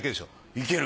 いける。